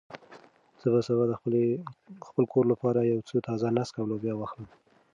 زه به سبا د خپل کور لپاره یو څه تازه نېسک او لوبیا واخلم.